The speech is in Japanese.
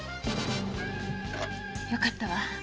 よかったわ。